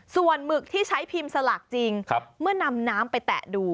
ส่วนหมึกที่ใช้พิมพ์สลากจริงเมื่อนำน้ำไปแตะดู